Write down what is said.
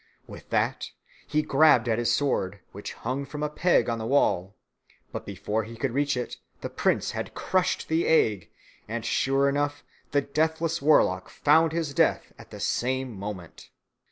With that he grabbed at his sword, which hung from a peg on the wall; but before he could reach it, the prince had crushed the egg, and sure enough the deathless warlock found his death at the same moment.